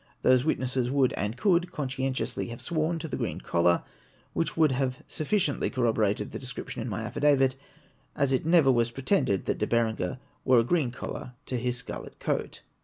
Those witnesses would and could conscientiously have sworn to the green collar, which would have sufficiently corroborated the description in my affidavit, as it never was pretended that De Berenger wore a green collar to his scarlet coat.